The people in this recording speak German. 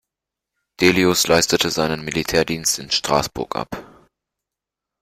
Delius leistete seinen Militärdienst in Straßburg ab.